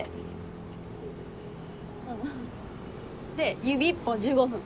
で指一本１５分。